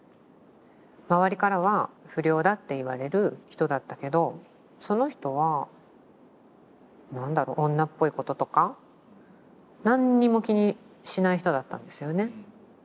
周りからは不良だって言われる人だったけどその人は何だろう女っぽいこととか何にも気にしない人だったんですよね。